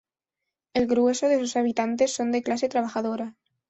El grueso de sus habitantes son de clase trabajadora.